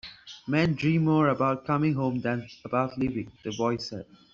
"Men dream more about coming home than about leaving," the boy said.